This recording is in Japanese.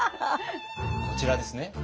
こちらですね。